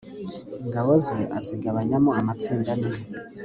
ingabo ze azigabanyamo amatsinda ane